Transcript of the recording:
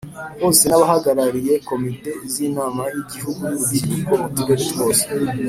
Hose n abahagarariye komite z inama y igihugu y urubyiruko mu turere twose